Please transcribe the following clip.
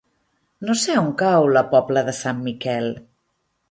No sé on cau la Pobla de Sant Miquel.